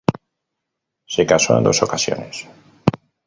Se casó en dos ocasiones.